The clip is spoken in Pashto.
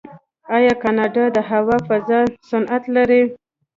آیا کاناډا د هوا فضا صنعت نلري؟